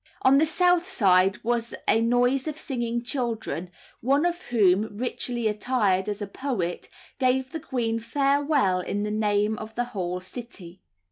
On the south side was a noise of singing children, one of whom, richly attired as a poet, gave the queen farewell in the name of the whole city.